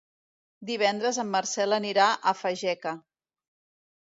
Divendres en Marcel anirà a Fageca.